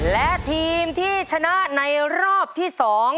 และทีมที่ชนะในรอบที่๒